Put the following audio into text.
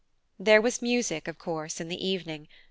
There was music, of course, in the evening.